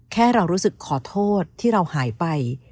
แค่เรารู้สึกขอโทษที่เราหายไป